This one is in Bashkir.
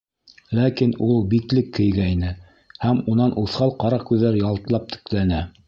Ләкин ул битлек кейгәйне, һәм унан уҫал ҡара күҙҙәр ялтлап текләне.